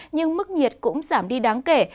nhưng mức nhiệt cũng giảm đi đáng kể